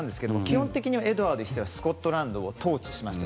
基本的にエドワード１世はスコットランドを統治しました。